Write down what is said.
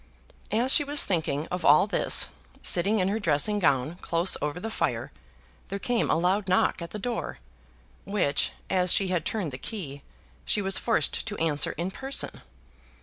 As she was thinking of all this, sitting in her dressing gown close over the fire, there came a loud knock at the door, which, as she had turned the key, she was forced to answer in person.